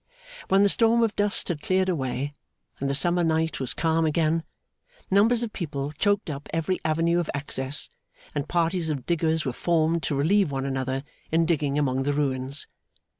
When the storm of dust had cleared away and the summer night was calm again, numbers of people choked up every avenue of access, and parties of diggers were formed to relieve one another in digging among the ruins.